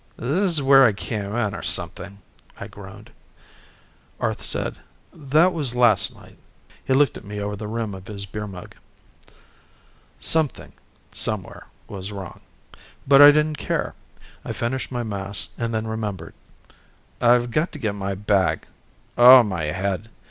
"This is where I came in, or something," I groaned. Arth said, "That was last night." He looked at me over the rim of his beer mug. Something, somewhere, was wrong. But I didn't care. I finished my mass and then remembered. "I've got to get my bag. Oh, my head.